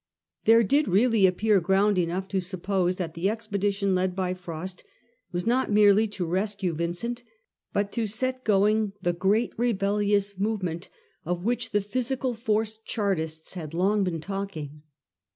There did really appear ground enough to suppose that the expedition led by Frost was not merely to rescue Yincent, but to set going the great rebellious move ment of which the physical force Chartists had long been talking.